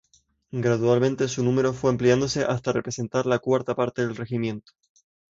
Gradualmente su número fue ampliándose hasta representar la cuarta parte del regimiento.